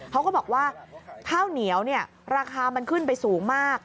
เขาก็บอกว่าข้าวเหนียวราคามันขึ้นไปสูงมาก